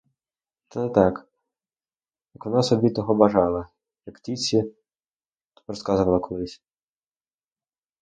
Та не так, як вона собі того бажала, як тітці розказувала колись.